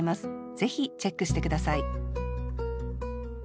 ぜひチェックして下さい